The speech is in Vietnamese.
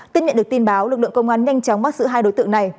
tin nhận được tin báo lực lượng công an nhanh chóng bắt giữ hai đối tượng này